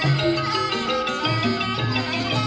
โอเคครับ